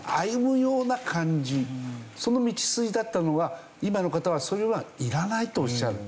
その道筋だったのが今の方はそれはいらないとおっしゃる。